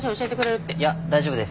いや大丈夫です。